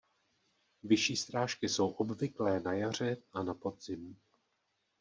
Vyšší srážky jsou obvyklé na jaře a na podzim.